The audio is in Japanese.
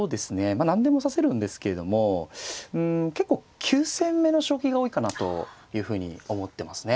何でも指せるんですけどもうん結構急戦めの将棋が多いかなというふうに思ってますね。